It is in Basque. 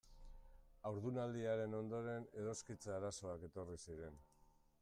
Haurdunaldiaren ondoren edoskitze arazoak etorri ziren.